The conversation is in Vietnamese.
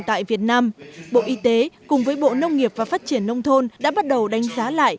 tại việt nam bộ y tế cùng với bộ nông nghiệp và phát triển nông thôn đã bắt đầu đánh giá lại